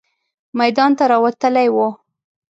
میدان ته راوتلې وه.